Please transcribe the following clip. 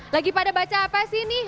lagi pada baca apa sih nih